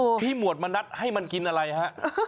พี่หมวดมณัฐให้มันกินอะไรฮะ